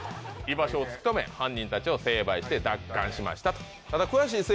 場所を突き止め犯人たちを成敗して奪還しました